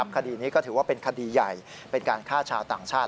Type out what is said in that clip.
คดีนี้ก็ถือว่าเป็นคดีใหญ่เป็นการฆ่าชาวต่างชาติ